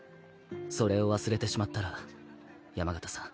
それを忘れてしまったら山県さん